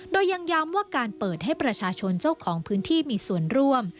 โดยยังย้ำว่าการเปิดให้ประชาชนเจ้าของพื้นที่มีส่วนร่วม